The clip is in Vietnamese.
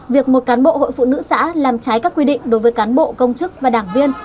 việc một cán bộ hội phụ nữ xã làm trái các quy định đối với cán bộ công chức và đảng viên